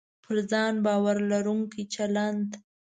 پر ځان باور لرونکی چلند